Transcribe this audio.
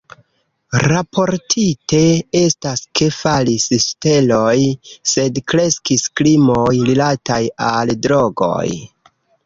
Raportite estas, ke falis ŝteloj sed kreskis krimoj rilataj al drogoj.